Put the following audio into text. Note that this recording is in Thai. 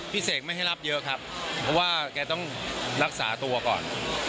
เสกไม่ให้รับเยอะครับเพราะว่าแกต้องรักษาตัวก่อน